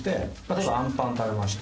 例えばあんパン食べました。